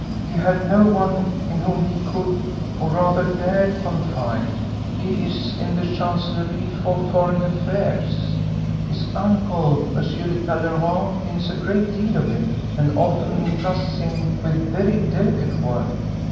"He had no one in whom he could—or rather dared—confide. He is in the Chancellerie for Foreign Affairs. His uncle M. de Talleyrand thinks a great deal of him and often entrusts him with very delicate work.